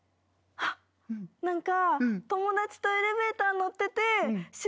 あっ。何か。